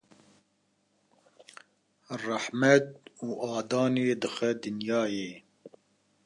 rehmet û adanê dixe dinyayê.